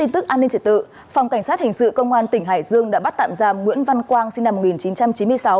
tin tức an ninh trật tự phòng cảnh sát hình sự công an tỉnh hải dương đã bắt tạm giam nguyễn văn quang sinh năm một nghìn chín trăm chín mươi sáu